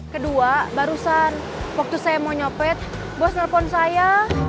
kedua barusan waktu saya mau nyopet bos nelfon saya